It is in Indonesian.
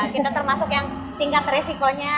kita termasuk yang tingkat resikonya